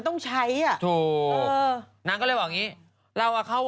เอาดีล่ะ